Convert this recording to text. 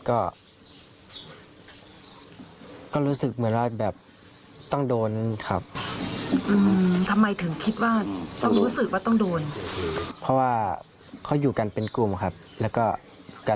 อย่างนี้ใช่ไหมใช่ครับใช่ครับจะไม่มีประโยชน์พูดอะไรใส่